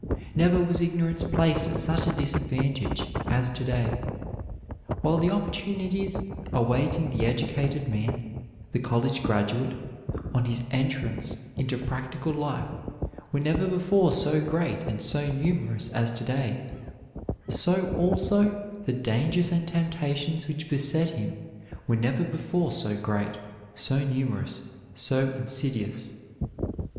Never was ignorance placed at such a disadvantage as to day. While the opportunities awaiting the educated man, the college graduate, on his entrance into practical life were never before so great and so numerous as to day, so also the dangers and temptations which beset him were never before so great, so numerous, so insidious.